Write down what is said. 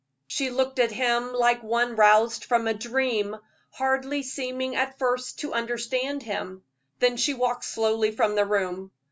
She looked at him like one roused from a dream, hardly seeming at first to understand him; then she walked slowly from the room.